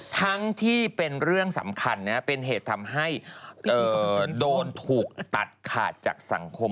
ทั้งที่เป็นเรื่องสำคัญนะเป็นเหตุทำให้โดนถูกตัดขาดจากสังคม